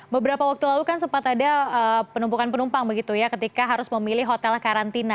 beberapa waktu lalu kan sempat ada penumpukan penumpang begitu ya ketika harus memilih hotel karantina